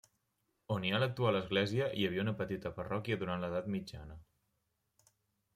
On hi ha l'actual església hi havia una petita parròquia durant l'edat mitjana.